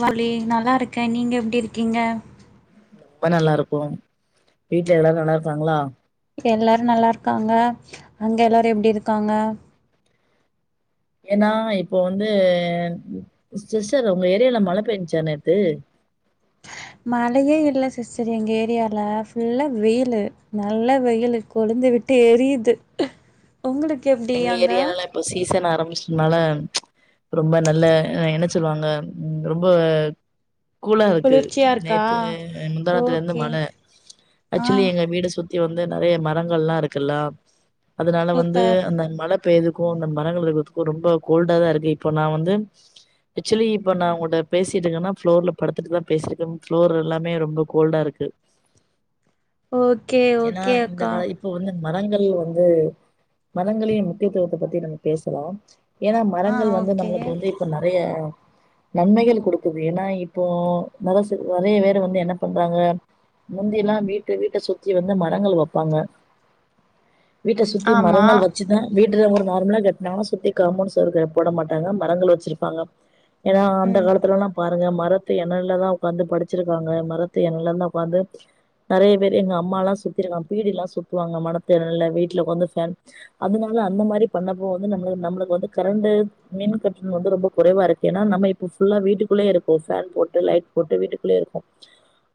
வலி நல்லா இருக்க நீங்க எப்டி இருக்கீங்க ம்ப நல்லாருக்கோ வீட்ல எல்லாரு நல்லா இருக்காங்ளா எல்லாரு நல்லா இருக்காங்க அங்க எல்லாரு எப்டி இருக்காங்க ஏனா இப்ப வந்து சிஸ்டர் உங்க ஏரியால மழ பேஞ்சா நேத்து மழயே இல்ல சிஸ்டர் எங்க ஏரியால ஃபுல்லா வெயிலு நல்ல வெயிலு கொழுந்து விட்டு எரியிது உங்களுக்கு எப் எங்க ஏரியாலாலா இப்ப சீசன் ஆரம்பிச்சதுனால ரொம்ப நல்ல என்ன சொல்வாங்க ரொம்ப கூலா இருக்கு குளிர்ச்சியா இருக்கா நேத்து முந்தா நேத்துலருந்து ஓகே மழ ஆ ஆக்சுலி எங்க வீட சுத்தி வந்து நெறைய மரங்கள்லா இருக்குல்லா அதனால வந்து சூப்பர் இந்த அ மழ பெய்யறத்துக்கோ இந்த மரங்கள் இருக்கறத்துக்கோ ரொம்ப கோல்டா தா இருக்கு இப்ப நா வந்து ஆக்சுலி இப்ப நா உங்கட்ட பேசிட்டு இருக்கனா ஃப்ளோர்ல படுத்துட்டு தா பேசிட்ருக்கே ஃப்ளோர் எல்லாமே ரொம்ப கோல்டா இருக்கு ஓகே ஏனா ஓகே இந்த அக்கா கால இப்ப வந்து மரங்கள் வந்து மரங்களின் முக்கியத்துவத்த பத்தி நம்ம பேசலா ஏனா ஆ மரங்கள் வந்து ஓகே நம்மளுக்கு வந்து து நெறைய நன்மைகள் குடுக்குது ஏனா இப்போ நெறசு நெறைய பேரு வந்து என்ன பண்றாங்க முந்திலா வீட்ட வீட்ட சுத்தி வந்து மரங்கள் வப்பாங்க வீட்ட சுத்தி மர ஆமா வச்சி தா வீட்ல ஒரு நார்மலா கட்னாங்னா சுத்தி கமோன்ட் சுவுரு போட மாட்டாங்க மரங்கள் வச்சிருப்பாங்க ஏனா அந்த ம் காலத்துல எல்லா பாத் பாருங்க மரத்து என்னல்ல தா உக்காந்து படிச்சிருக்காங்க மரத்து என்னல்ல தா உக்காந்து நறைய பேர் எங்க அம்மால்லா சுத்திருக்கா பீடிெல்லா சுத்துவாங்க மரத்து நிழல்ல வீட்ல ஒக்காந்து ஃபேன் அதுனால அந்த மாறி பண்ணப்போ வந்து நம்ம நம்மளுக்கு வந்து கரண்டு மின் கட்டண வந்து ரொம்ப குறைவா இருக்கு ஏன்னா நம்ம இப்ப ஃபுல்லா வீட்டுக்குள்ளயே இருக்கோ ஃபேன் போட்டு லைட் போட்டு வீட்டுக்குள்ளயே இருக்கோ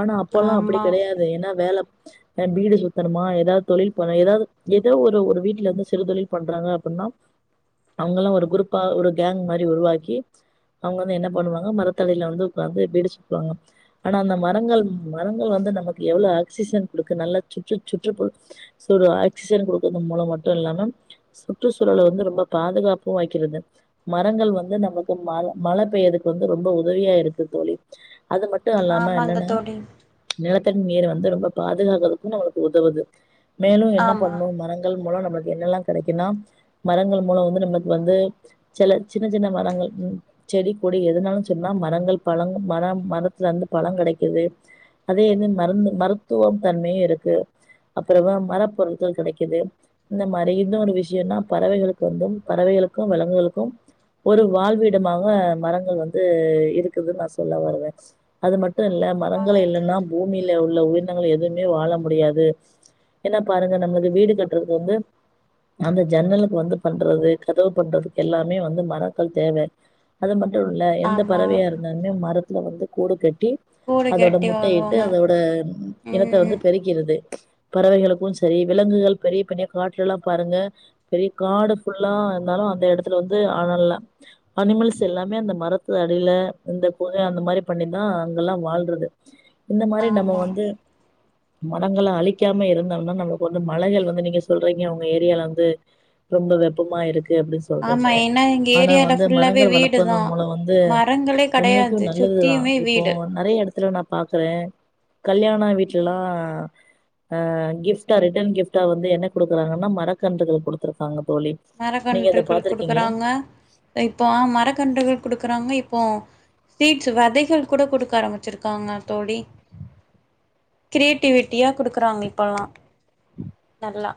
ஆனா அப்பல்லா அப்டி ஆமா கிடையாது ஏன்னா வேலப் அ பீடு குத்தணுமா ஏதாவது தொழில் பண்ண ஏதாவது ஏதோ ஒரு ஒரு வீட்டு வீட்ல இருந்து சிறு தொழில் பண்றாங்க அப்படின்னா அவங்க எல்லா ஒரு குரூப்பா ஒரு கேங் மாறி உருவாக்கி அவங்க வந்து என்ன பண்ணுவாங்க மரத்தடில வந்து உக்காந்து பீடி சுத்துவாங்க ஆனா அந்த மரங்கள் மரங்கள் வந்து நமக்கு எவ்ள ஆக்சிஜன் குடுக்கு நல்லா சுற்று சுற்றுப்பு சோ ஒரு ஆக்சிஜன் குடுக்கறது மூலம் மட்டு இல்லன்னா சுற்றுச்சூழல வந்து ரொம்ப பாதுகாப்பும் வைக்கிறது மரங்கள் வந்து நமக்கு ம மழ பெய்யறதுக்கு வந்து ரொம்ப உதவியா இருக்கு தோழி அது மட் விட்டு அல்லாம ஆமாங்க என்னன்னா தோழி நிலத்தடி நீர வந்து ரொம்ப பாதுகாக்கறதுக்கு நம்மளுக்கு உதவுது மேலும் என்ன ஆமா பண்ணும் மரங் ங்கள் மூலம் நமக்கு என்னெல்லா கிடைக்குன்னா மரங்கள் மூலம் வந்து நமக்கு வந்து சில சின்ன சின்ன மரங்கள் ம் செடி கொடி எதனாலு சொன்னா மரங்கள் பழம் மரம் மரத்துல இருந்து பழம் கெடைக்குது அதே என்னன் மருந்து மருத்துவ தன்மையு இருக்கு அப்புறமா மரப்பொருட்கள் கிடைக்குது இந்த மாறி இன்னொரு விஷயம்னா பறவைகளுக்கு வந்து பறவைகளுக்கும் விலங்குகளுக்கும் ஒரு வாழ்விடமாக மரங்கள் வந்து இருக்குதுன்னு நா சொல்ல வருவே அது மட்டு இல்ல மரங்களே ஆமாங்க இல்லன்னா பூமியில உள்ள உயிரினங்கள் எதுவுமே வாழ முடியாது ஏன்னா பாருங்க நம்மது வீடு கட்டுறது வந்து அந்த ஜன்னலுக்கு வந்து பண்றது கதவு பண்றதுக்கு எல்லாமே வந்து மரக்கள் தேவ அது மட்டும் இல்ல எந்த ஆமா பறவையா இருந்தாலுமே மரத்துல வந்து கூடு கட்டி கூடு அதோட கட்டி முட்ட இட்டு வருவாங்க அதோட இனத்த வந்து ம் பெருக் கிறது பறவைகளுக்கு சரி விலங்குகள் பெரிய பெரிய காட்ல எல்லா பாருங்க பெரிய காடு ஃபுல்லா இருந்தாலு அந்த இடத்துல வந்து அனல்லா அனிமல்ஸ் எல்லாமே அந்த மரத்து அடியில இந்த குக அந்த மாறி பண்ணிதா அங்கல்லா வாழ்றது இந்த மாரி நம்ம ஆமா வந்து மரங்கள அழிக்காம இருந்தம்னா நமக்கு வந்து மழைகள் வந்து நீங்க சொல்றீங்க உங்க ஏரியால வந்து ரொம்ப வெப்பமா இருக்கு அப்டி ஆமா சொல்றீங்க ஏன்னா எங்க ஆனா ஏரியால வந்து ஃபுல்லாவே மரங்கள் வீடு தா வளர்பதன் மூலம் வந்து மரங்களே உண்மைக்கும் கெடையாது நன் நல்லதுதா சுத்தியுமே இப்போ வீடு நறைய இடத்துல நா பாக்கறே கல்யாண வீட்லல்லா ம் அ கிப்ட்டா ரிட்டர்ன் கிஃப்ட்டா வந்து என்ன குடுக்கறாங்கன்னா மரக்கன்றுகள் குடுத்துருக்காங்க தோழி நீங்க அத மரக்கன்றுகள் பாத்துருக்கீங்களா குடுக்குறாங்க இப்போ மரக்கன்றுகள் குடுக்குறாங்க இப்போ சீட்ஸ் விதைகள் கூட குடுக்க ஆரம்பிச்சிருக்காங்க தோழி கிரியேட்டிவிட்டியா குடுக்கறாங்க இப்பெல்லா நல்லா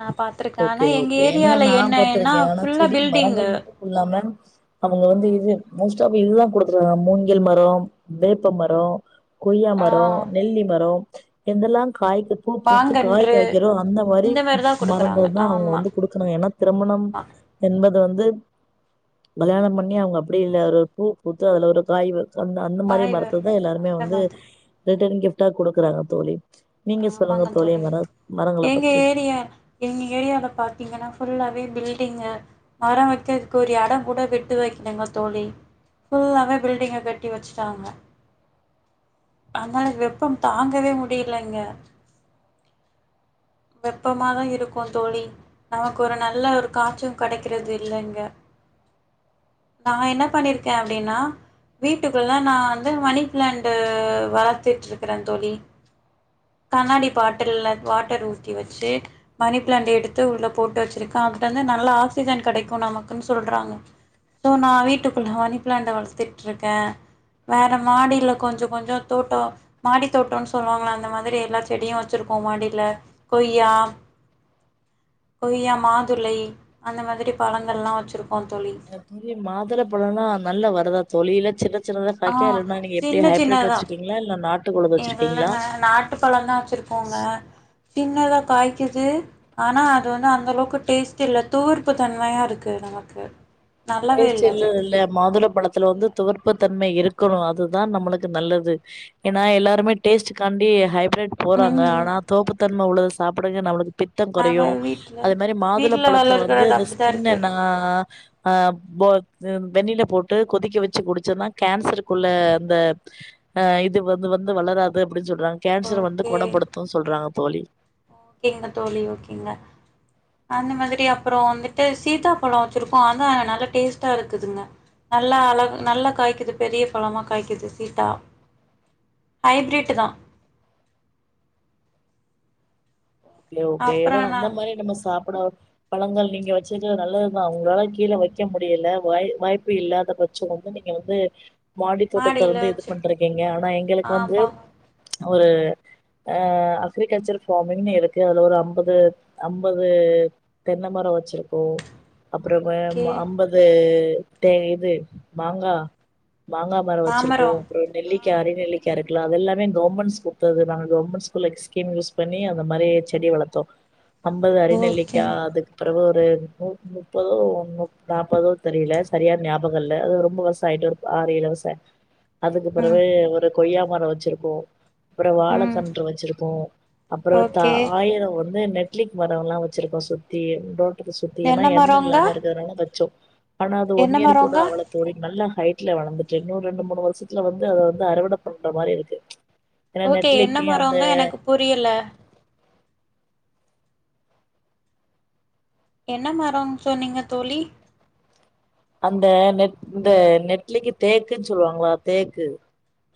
நா பாத்திருக் ஓக்கே ஓக்கே ஏன்னா நா பாத்துருக்கே ஆனா ஃபுல்லா செடி மரங்கள் பில்டிங்கு மட்டு முல்லாம அவுங்க ஆ வந்து இது மோஸ்ட் ஆப் இதுதா குடுத்துயிருகாங்க மூங்கில் மரம் வேப்ப மரோ கொய்யா மரோ ஆ. நெல்லி மரோ எந்தெல்லா காய்க்கு பூ பூத்து காய் மாங்கன்று காய்க்கிறோ அந்த மாறி இந்த மாரி தான் மரம் குடுக்குறாங்க ஆமா குடுக்கணு ஏன்னா திரமணம் ஆமா என்பது வந்து கல்யாணம் பண்ணி அவங்க அப்டி இல்லை அதில ஒரு பூ பூத்து அதுல ஒரு காய் வ அந்த அந்த மாதிரி காய் மரத்த தா வரும் எல்லாருமே அந்த வந்து மாதிரி ரிட்டன் கிஃப்ட்டா குடுக்குறாங்க தோழி நீங்க சொல்லுங்க தோழி மர மரங்கள எங்க பத்தி ஏரியா எங்க ஏரியால பாத்தீங்கன்னா ஃபுல்லாவே பில்டிங்கு மரொ வெக்கறதுக்கு ஒரு எடொ கூட விட்டு வெக்கலங்க தோழி ஃபுல்லாவே பில்டிங்க கட்டி வச்சிட்டாங்க அதான் வெப்பம் தாங்கவே முடியல இங்க வெப்பமா தா இருக்கு தோழி நமக்கு ஒரு நல்ல ஒரு காச்சு கெடைக்குறது இல்ல இங்க நாங்க என்ன பண்ணிருக்கே அப்டின்னா வீட்டுக்குள்ள நா வந்து மணி பிளாண்டு வளத்துட்ருக்குறே தோழி கண்ணாடி பாட்டில்ல வாட்டர் ஊத்தி வச்சு மணி பிளாண்ட எடுத்து உள்ள போட்டு வச்சிருக்கா அதுட்டந்து நல்லா ஆக்சிஜன் கெடைக்கு நமக்குன் சொல்றாங்க ஸோ நா வீட்டுக்குள்ள மணி ப்ளாண்ட்ட வளத்துட் இருக்கே வேற மாடில கொஞ்ச கொஞ்ச தோட்ட மாடி தோட்டம்னு சொல்லுவாங்களா இந்த மாதிரி எல்லா செடியு வச்சிருக்கோ மாடில கொய்யா கொய்யா மாதுளை அந்த மாதிரி பழங்கள்லா வச்சுருக்கோ தோழி தோழி மாதுளைப் பழொலா நல்லா வருதா தோழி இல்ல சின்ன [unintelligible] ஆ காக்கே இல்லைன்னா நீ எப்டி சின்ன ஹைப்ரிட் சின்னதா வச்சிருக்கீங்களா இல்ல நாட்டு கொழுத வச்சிருக்கீங்ளா போங்க பின்னதா காய்க்குது ஆனா அது வந்து அந்த அளவுக்கு டேஸ்ட் இல்ல துவர்ப்பு தன்மையா இருக்கு நமக்கு நல்லாவே பேசியல் அது இல்ல மாதுள பழத்துல வந்து இல்ல துவர்ப்பு தன்மை இருக்கணு அதுதான் நம்மளுக்கு நல்லது ஏன்னா எல்லாருமே டேஸ்ட் காண்டி ஹைப்ரிட் போறாங்க ம் ஆனா தோப்புத்தன்ம உள்ளத சாப்பிடுங்க நம்மளுக்கு பித்தம் கொறையு நாம வீட்ல அதே மாரி மாதுள வீட்ல பழத்த வந்து வளர்க்கறது அந்த அப்டிதா ஸ்கின்ன இருக்கு நா அ போத்து வெண்ணில போட்டு கொதிக்க வச்சு குடிச்சன்னா கேன்சருக்குள்ள அந்த ஆ இது வந்து வந்து வளராது அப்டின் சொல்றாங்க கேன்சர் வந்து ஓகே கொணப்படுத்துன்னு சொல்றாங்க தோழி கேக்குதா தோழி ஓகேங்ளா அந்த மாதிரி அப்புற வந்துட்டு சீதாப்பழ வச்சிருக்கோ அது நல்லா டேஸ்ட்டா இருக்குதுங்க நல்லா அழ நல்லா காய்க்குது பெரிய பழமா காய்க்குது சீட்டா ஹைப்ரிட்டுதா ஓகே ஓகே அப்றோ ஏன்னா அந்த மாரி நம்ம நா சாப்பிடா பழங்கள் நீங்க வச்சிருக்க நல்லதுதா உங்களால கீழ வைக்க முடியல வாய் வாய்ப்பு இல்ல அத பத் சோ வந்து நீங்க வந்து மாடி தோட்டத்த மாடியில வந்து இது வச்சிருக்கோ பண்ட்ருக்கீங்க ஆனா எங்களுக்கு வந்து ஆமா ஒரு அ அக்ரிகல்சர் ஃபார்மிங்னு இருக் கு அதுல ஒரு அம்பது அம்பது தென்ன மரொ வச்சிருக்கோ அப்பறமே ம ஓகே அம்பது தே இது மாங்கா மாங்கா மரோ வச்சிருக்கோ மாமரோ அப்ற நெல்லி ஆ க்க அறிநெல்லிக்கா இருக்லா அதெல்லாமே கவர்மெண்ட்ஸ் குடுத்ததுதா கவர்மெண்ட்ஸ் ஸ்கீம் யூஸ் பண்ணி அந்த மாரி செடி வளத்தோ அம்பது அரிநெல்லிக்கா ஓகேங் அதுக்கு பிறகு ஒரு நூத்முப்பதோ நூத்நாப்பதோ தெரில சரியா ஞாபக இல்ல அது ரொம்ப வருஷ ஆயிட்டு ஆறு இலவச அதுக்கு ம் பிறவு ஒரு கொய்யா மர வச்சிருக்கோ அப்புறோ வாழ ம் கன்று வச்சிருக்கோ அப்புற த ஓகே ஈரோ வந்து நெட்ளிக் மரோல்லா வச்சிருக்கோ சுத்தி ரோ சுத்தி ஏன்னா என்ன எண் மரோங்க இல்லாம இருக்கனால வச்சோ ஆனா அது ஒன் என்ன இயர் கூட மரோங்க அவள தோழி நல்ல ஹைட்ல வளர்ந்துட்டு இன்னொரு ரெண்டு மூணு வருஷத்துல வந்து அத வந்து அறுவடை பண்ற மாரி இருக்கு ஏன்னா ஓகே என்ன நெட்லிக்கு அந்த மரோங்க எனக்கு புரியல என்ன மரோன் சொன்னீங்க தோழி அந்த நெட் இந்த நெட்லிக்கு தேக்குன்னு சொல்லுவாங்களா தேக்கு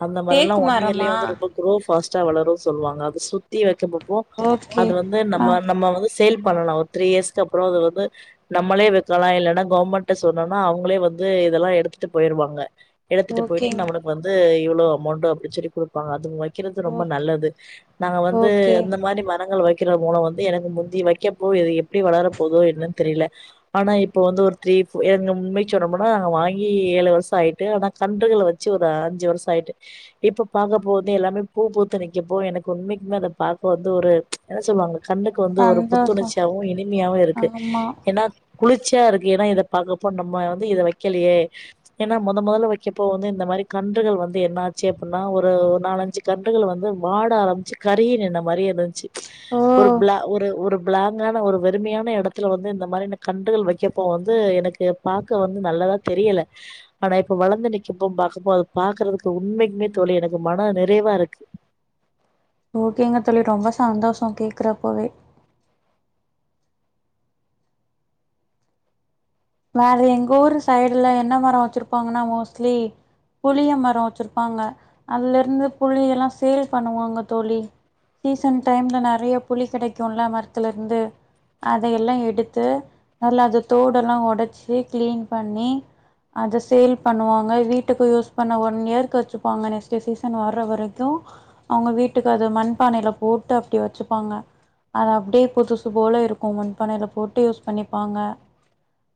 அந்த மரோல்லா தேக்கு ஒன் இயர்லயே மரமா வந்து ரொம்ப ரோ ஃபாஸ்ட்டா வளரூம் சொல்லுவாங்க அத சுத்தி வைக்கப்போ ஓகே அது வந்து ஆ நம்ம நம்ம வந்து சேல் பண்ணலா ஒரு த்ரீ இயர்ஸ்கு அப்புறோ அது வந்து நம்மளே விக்கலா இல்லனா கவர்மண்ட்டஸ் சொன்னனா அவுங்களே வந்து இதல்லா எடுத்துட்டு போயிருவாங்க எடுத்துட்டு போயிட்டு ஓகேங் நம்ம வந்து இவ்ளோ அமௌண்ட் அப்டி சொல்லி குடுத் அதுங்க வக்கிறது ரொம்ப ஓகே நல்லது நாங்க வந்து ஓகே அந்த மாரி மரங்கள் வக் வக்கிற மூலம் வந்து எனக்கு முந்தி வைக்கப்போ இது எப்டி வளர போதோ என்னன் தெரியில ஆனா இப்ப வந்து ஒரு த்ரீ ஏங்க உண்மைய சொன்னமுனா வாங்கி ஏழு வர்ஷ ஆயிட்டு ஆனா கன்றுகள வச்சு ஒரு அஞ்சு வர்ஷ ஆயிட்டு இப்ப பாக்கப்போ வந்து எல்லாமே பூ பூத்து நிக்கப்போ எனக்கு உண்மைக்குமே அத பாக்க வந்து ஒரு என்னா சொல்வாங்க கண்ணுக்கு வந்து ஒரு சந்தோஷோ புத்துணர்ச்சியாவூ இனிமையாவூ இருக்கு ஆமா ஏன்னா குளிர்சியா இருக்கு ஏன்னா இத பாக்கப்போ நம்ம வந்து இத வெக்கலயே ஏன்னா மொத மொதல்ல வைக்கப்போ வந்து இந்த மாரி கன்றுகள் வந்து என்ன ஆச்சு அப்டின்னா ஒரு ஒரு நாலஞ்சு கன்றுகள் வந்து வாட ஆரம்பிச்சு கருகி நின்ன மாரி இருஞ்ச்சு ஓ ஒரு ப்லா ஒரு ஒரு ப்லாங்கான ஒரு வெறுமையான எடத்துல வந்து இந்த மாரியான கன்றுகள் வைக்கப்போ வந்து இது எனக்கு பாக்க வந்து நல்லதா தெரியல ஆனா இப்ப வளந்து நிக்கப்போ பாக்கப்போ அத பாக்குறதுக்கு உண்மைக்குமே தோழி எனக்கு மன நிறைவா இருக்கு ஓகேங்க தோழி ரொம்ப சந்தோஷோ கேக்குறப்பவே வேற எங்க ஊர் சைடுல என்ன மரோ வச்சிருப்பாங்கன்னா மோஸ்ட்லி புளிய மர வச்சிருப்பாங்க அதுலருந்து புளி எல்லா சேல் பண்ணுவாங்க தோழி சீசன் டைம்ல நெறைய புளி கெடைக்குல்ல மரத்துலருந்து அதையல்லா எடுத்து நல்லா அத தோடல்லா ஒடச்சு கிளீன் பண்ணி அத சேல் பண்ணுவாங்க வீட்டுக்கு யூஸ் பண்ண ஒன் இயர்க்கு வச்சுப்பாங்க நெக்ஸ்ட்டு சீசன் வர்ற வரைக்கோ அவுங்க வீட்டுக்கு அது மண்பானையில போட்டு அப்டி வச்சுப்பாங்க அது அப்டியே புதுசு போல இருக்கு மண்பானையில போட்டு யூஸ் பண்ணிப்பாங்க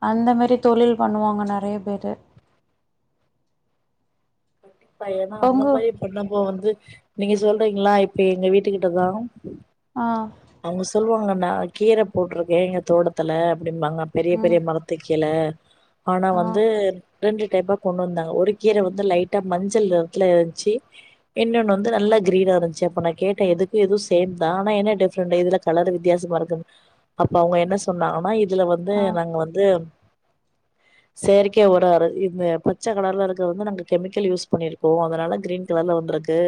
அந்த மாரி தொழில் பண்ணுவாங்க நெறைய பேரு த ஏன்னா அந்த உங்க மாரி பண்ணப்போ வந்து நீங்க சொல்றீங்களா இப்ப எங்க வீட்டு கிட்டதா ஆ அவுங்க சொல்லுவாங்களான்ட கீர போட்டிருக்கே எங்க தோட்டத்துல அப்டிம்பாங்க பெரிய பெரிய ம் மரத் துக் கீல ஆனா ஆ வந்து ரெண்டு டைப்பா கொண்டு வந்தாங்க ஒரு கீர வந்து லைட் டா மஞ்சள் நிறத்துல இருந்ச்சி இன்னொன்னு வந்து நல்லா கிரீனா இருந்ச்சு அப்ப நா கேட்டே இதுக்கு இது சேம் தா ஆனா என்ன டிஃப்ரண்ட் இதுல கலரு வித்தியாசமா இருக்குனு அப்ப அவுங்க என்ன சொன்னாங்கன்னா இதுல வந்து ஆ நாங்க வந்து செயற்கை ஒரே ஆரு இந்த பச்ச கலர்ல இருக்க வந்து நாங்க கெமிக்கல் யூஸ் பண்ணிருக்கோ அதனால கிரீன் கலர்ல வந்திருக்கு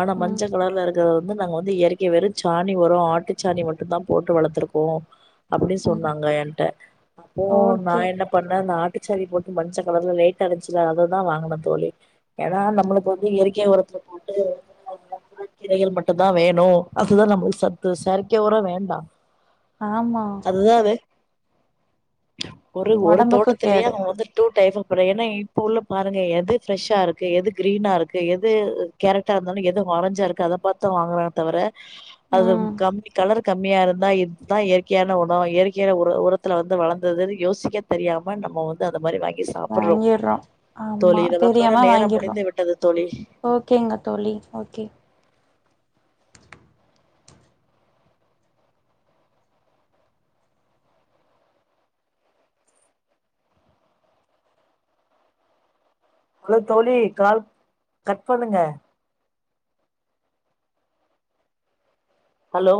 ஆனா ம் மஞ்ச கலர்ல இருக் இது வந்து நாங்க வந்து இயற்கை வேறு சாணி ஒரோ ஆட்டுச்சாணி மட்டுந்தா போட்டு வளத்துருக்கோ அப்டி ம் சொன்னாங்க என்ட்ட அப்போ நா ஓகே என்னப் பண்ண அந்த ஆட்டுச்சானி போட்டு மஞ்ச கலர்ல லைட்டா இருந்துச்சுல அததா வாங்கனம் தோழி ஏனா நம்மளுக்கு வந்து இயற்கையா உரத்துல போட்டு [inaudible] கீரைகள் மட்டுந்தா வேணூ அதுதா நமக்கு சத்து செயற்கை ஓரோ வேண்டா ஆமா அதாவது ஒரு ஒரு ஒடம்புக்கு தோட்டத்திலயே கேடு அவுங்க வந்து டூ டைஃப் [unintelligible] ஏனா இப்போ உள்ள பாருங்க எது ஃப்ரஷ்ஷா இருக்கு எது கிரீனா இருக்கு எது கேரட்டா இருந்தாலும் எது ஆரஞ்சா இருக்கு அத பாத்தா வாங்குறாங்க தவர அது ம் கம்மி கலரு கம்மியா இருந்தா இத்தா இயற்கையான உணோ இயற்கையான உர உரத்துல வந்து வளந்ததுனு யோசிக்க தெரியாம நம்ம வந் [unintelligible] அந்த மாரி வாங்கி சாப்டுறோ வாங்கிர்றோ ஆமா தோழி இதுலா தெரியாம வாங்கிற்றா ஓகேங்க தோழி ஓகே ஹலோ தோழி கால் கட் பண்ணுங்க ஹலோ